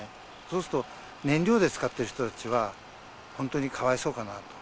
そうすると、燃料で使っている人たちは、本当にかわいそうかなと。